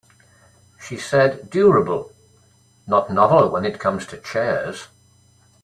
She said durable not novel when it comes to chairs.